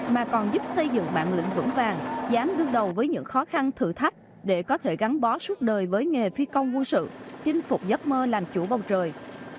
mà còn giúp xây dựng bản lĩnh vững vàng dám đương đầu với những khó khăn thử thách để có thể gắn bó suốt đời với nghề phi công quân sự chinh phục giấc mơ làm chủ bầu trời